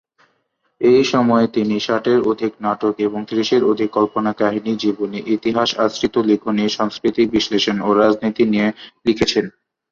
এই সময়ে তিনি ষাটের অধিক নাটক এবং ত্রিশের অধিক কল্পকাহিনী, জীবনী, ইতিহাস আশ্রিত লেখনী, সাংস্কৃতিক বিশ্লেষণ ও রাজনীতি নিয়ে লিখেছেন।